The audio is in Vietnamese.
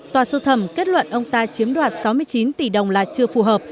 tòa sơ thẩm kết luận ông ta chiếm đoạt sáu mươi chín tỷ đồng là chưa phù hợp